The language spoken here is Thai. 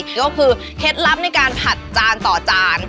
ก็คือเคล็ดลับในการผัดจานต่อจาน